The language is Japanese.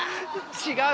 違う？